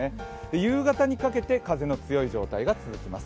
夕方にかけて風の強い状態が続きます。